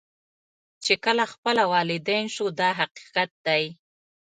چې کله خپله والدین شو دا حقیقت دی.